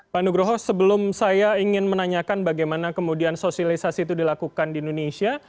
pak nugroho sebelum saya ingin menanyakan bagaimana kemudian sosialisasi itu dilakukan di indonesia